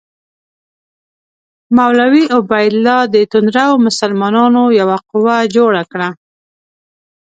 مولوي عبیدالله د توندرو مسلمانانو یوه قوه جوړه کړه.